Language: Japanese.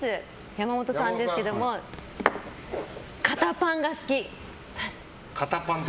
山本さんですけども肩パンが好き。